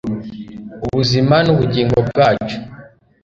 Ubuzima n ubugingo bwacu